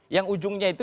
yang ujungnya itu